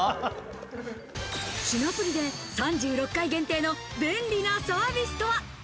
品プリで３６階限定の便利なサービスとは？